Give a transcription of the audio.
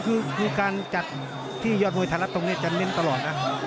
คือการจัดที่ยอดมวยไทยรัฐตรงนี้จะเน้นตลอดนะ